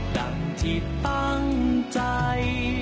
ดังที่ตั้งใจ